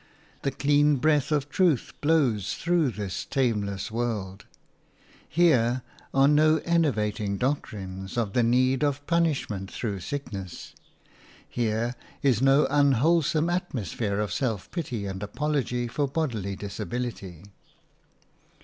The clean breath of truth blows through this tameless world; here are no enervating doctrines of the need of punishment through sickness; here is no unwholesome atmosphere of self pity and apology for bodily disability.